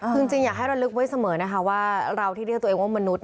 ถ้าเราเรียกเลือกไว้เสมอว่าเราที่เรียกตัวเองว่ามนุษย์